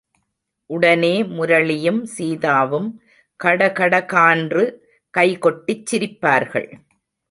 உடனே முரளியும் சீதாவும் கடகட கான்று கைகொட்டிச் சிரிப்பார்கள்.